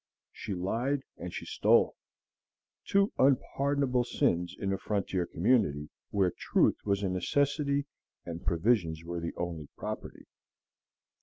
She lied and she stole, two unpardonable sins in a frontier community, where truth was a necessity and provisions were the only property.